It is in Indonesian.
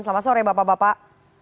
selamat sore bapak bapak